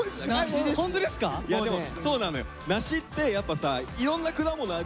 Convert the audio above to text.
でもそうなのよ梨ってやっぱさいろんな果物あるじゃん？